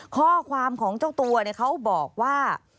ข้อความของเจ้าตัวเขาบอกว่า